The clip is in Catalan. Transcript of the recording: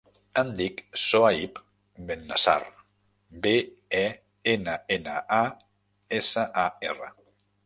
Em dic Sohaib Bennasar: be, e, ena, ena, a, essa, a, erra.